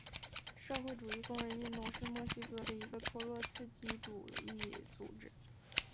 社会主义工人运动是墨西哥的一个托洛茨基主义组织。